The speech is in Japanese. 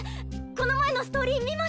この前のストーリー見ました！